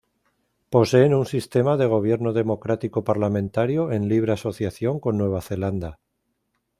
Poseen un sistema de gobierno democrático-parlamentario en libre asociación con Nueva Zelanda.